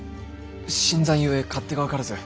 新参ゆえ勝手が分からず。